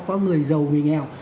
có người giàu người nghèo